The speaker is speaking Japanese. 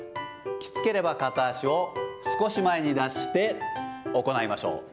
きつければ片足を少し前に出して行いましょう。